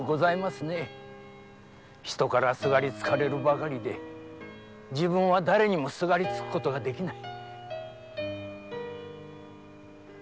人からすがりつかれるばかりで自分はだれにもすがりつくことができない。